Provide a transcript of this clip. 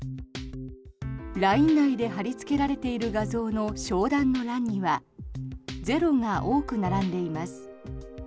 ＬＩＮＥ内で貼りつけられている画像の商談の欄には０が多く並んでいます。